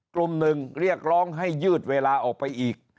กลุ่มหนึ่งเรียกร้องให้ยืดเวลาออกไปอีก